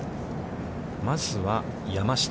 まずは、山下。